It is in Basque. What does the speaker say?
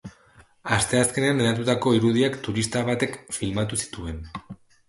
Asteazkenean hedatutako irudiak turista batek filmatu zituen.